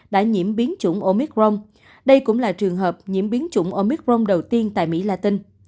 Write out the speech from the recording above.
đã nhiễm biến chủng omicron đây cũng là trường hợp nhiễm biến chủng omicron đầu tiên tại mỹ latin